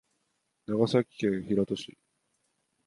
長崎県平戸市